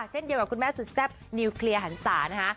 เช่นเดียวกับคุณแม่สุดแซ่บนิวเคลียร์หันศานะคะ